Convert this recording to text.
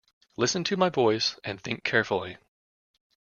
Listen to my voice and think carefully.